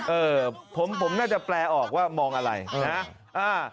เออผมผมน่าจะแปลออกว่ามองอะไรนะ